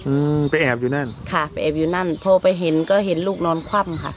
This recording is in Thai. อืมไปแอบอยู่นั่นค่ะไปแอบอยู่นั่นพอไปเห็นก็เห็นลูกนอนคว่ำค่ะ